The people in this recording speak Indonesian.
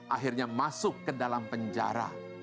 akhirnya masuk ke dalam penjara